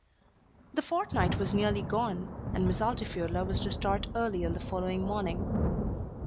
The fortnight was nearly gone, and Miss Altifiorla was to start early on the following morning.